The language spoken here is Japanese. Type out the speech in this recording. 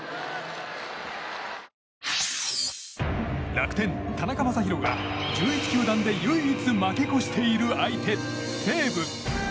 楽天、田中将大が１１球団で唯一負け越している相手、西武。